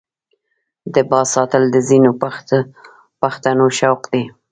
د باز ساتل د ځینو پښتنو شوق دی.